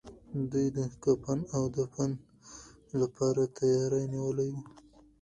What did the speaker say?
دوی د کفن او دفن لپاره تياری نيولی و.